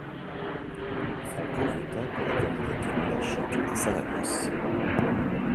Franco vota pour la candidature monarchique à Saragosse.